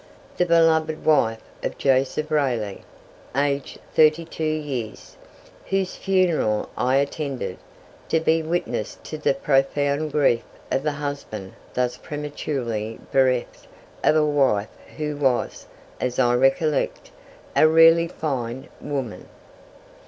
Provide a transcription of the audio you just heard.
"The beloved wife of Joseph Raleigh, aged 32 years," whose funeral I attended, to be witness to the profound grief of the husband thus prematurely bereft of a wife who was, as I recollect, a rarely fine woman.